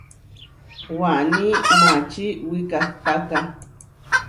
Waní mačí wikahtáka.